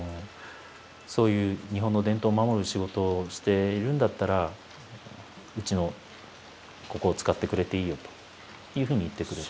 「そういう日本の伝統を守る仕事をしているんだったらうちのここを使ってくれていいよ」というふうに言ってくれて。